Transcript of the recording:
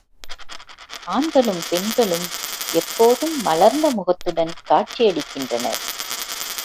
ஆண்களும் பெண்களும் எப்போதும் மலர்ந்த முகத்துடன் காட்சியளிக்கின்றனர்.